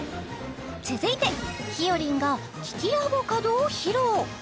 続いてひよりんがききアボカドを披露